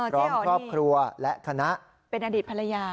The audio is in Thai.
เจ๊อ๋อนี่เป็นอดิตภรรยา